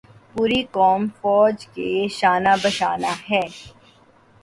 پوری قوم فوج کے شانہ بشانہ ہے۔